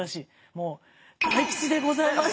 もう大吉でございます。